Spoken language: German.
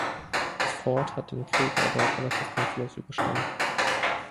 Das Fort hat den Krieg aber relativ kampflos überstanden.